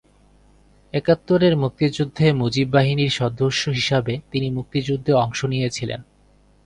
একাত্তরের মুক্তিযুদ্ধে মুজিব বাহিনীর সদস্য হিসাবে তিনি মুক্তিযুদ্ধে অংশ নিয়েছিলেন।